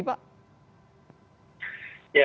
apa yang terjadi pak